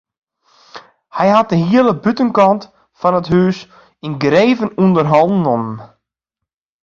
Hy hat de hiele bûtenkant fan it hús yngreven ûnder hannen nommen.